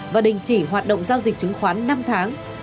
và đình chỉ hoạt động giao dịch chứng khoán năm tháng